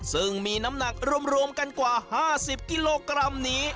ซึ่งมีน้ำหนักรวมกันกว่า๕๐กิโลกรัมนี้